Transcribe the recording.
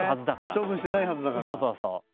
処分してないはずだから。